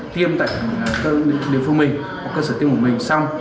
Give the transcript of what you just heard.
tiêm tại địa phương mình hoặc cơ sở tiêm của mình xong